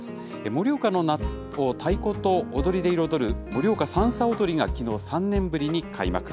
盛岡の夏を太鼓と踊りで彩る盛岡さんさ踊りがきのう、３年ぶりに開幕。